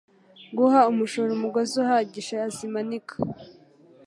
Guha umujura umugozi uhagije azimanika.